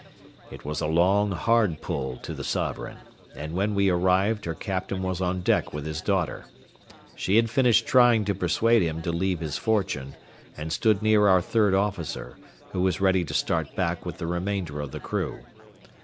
It was a long, hard pull to the Sovereign and when we arrived her captain was on deck with his daughter. She had finished trying to persuade him to leave his fortune, and stood near our third officer, who was ready to start back with the remainder of the crew.